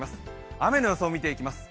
雨の予想を見ていきます。